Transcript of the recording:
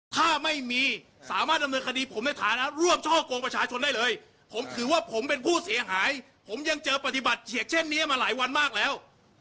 ถ้าไม่มีสามารถดำเนินคดีผมในฐานะร่วมช่อกงประชาชนได้เลยผมถือว่าผมเป็นผู้เสียหายผมยังเจอปฏิบัติเฉียดเช่นนี้มาหลายวันมากแล้ว